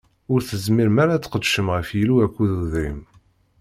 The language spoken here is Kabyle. Ur tezmirem ara ad tqedcem ɣef Yillu akked udrim.